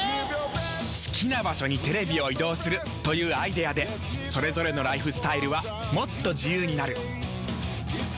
好きな場所にテレビを移動するというアイデアでそれぞれのライフスタイルはもっと自由になる。